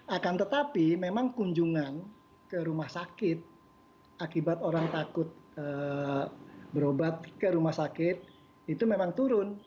akan tetapi memang kunjungan ke rumah sakit akibat orang takut berobat ke rumah sakit itu memang turun